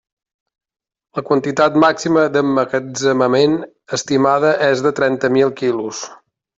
La quantitat màxima d'emmagatzemament estimada és de trenta mil quilos.